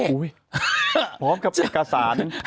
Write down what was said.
โอ้ยพร้อมกับเอกสาร